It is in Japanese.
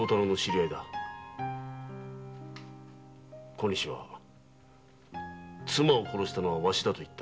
小西は「妻を殺したのはワシだ」と言った。